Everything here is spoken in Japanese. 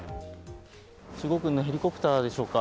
中国軍のヘリコプターでしょうか。